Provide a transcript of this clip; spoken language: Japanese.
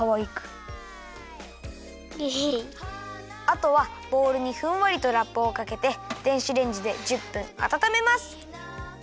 あとはボウルにふんわりとラップをかけて電子レンジで１０分あたためます。